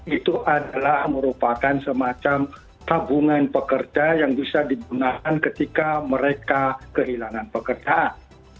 itu adalah merupakan semacam tabungan pekerja yang bisa digunakan ketika mereka kehilangan pekerjaan